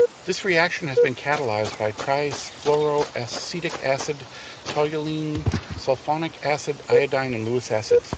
This reaction has been catalyzed by trifluoroacetic acid, toluenesulfonic acid, iodine, and Lewis acids.